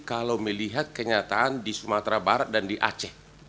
kalau melihat kenyataan di sumatera barat dan di aceh